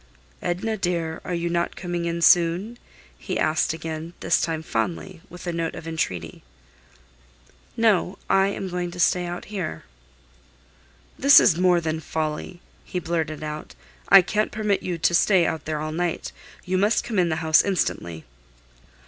"Edna, dear, are you not coming in soon?" he asked again, this time fondly, with a note of entreaty. "No; I am going to stay out here." "This is more than folly," he blurted out. "I can't permit you to stay out there all night. You must come in the house instantly."